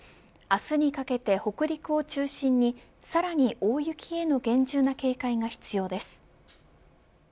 明日にかけて北陸を中心にさらに大雪への厳重な警戒が必要です。